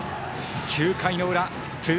９回の裏。